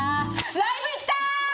ライブ行きたーい！